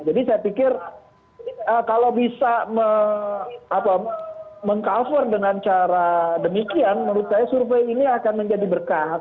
jadi saya pikir kalau bisa meng cover dengan cara demikian menurut saya survei ini akan menjadi berkah